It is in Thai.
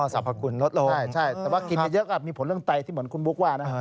สรรพคุณลดลงใช่แต่ว่ากินเยอะก็มีผลเรื่องไตที่เหมือนคุณบุ๊คว่านะ